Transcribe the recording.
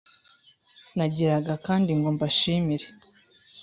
Nagiraga kandi ngo mbashimire